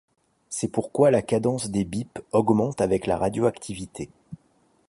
C'est pourquoi la cadence des bips augmente avec la radioactivité.